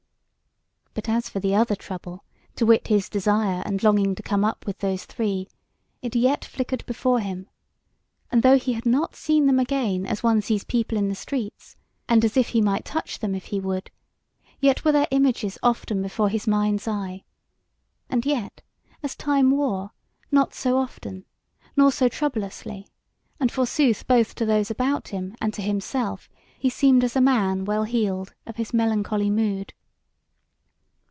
But as for the other trouble, to wit his desire and longing to come up with those three, it yet flickered before him; and though he had not seen them again as one sees people in the streets, and as if he might touch them if he would, yet were their images often before his mind's eye; and yet, as time wore, not so often, nor so troublously; and forsooth both to those about him and to himself, he seemed as a man well healed of his melancholy mood.